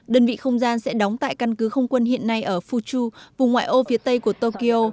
đơn vị không gian sẽ đóng tại căn cứ không quân hiện nay ở fuchu vùng ngoại ô phía tây của tokyo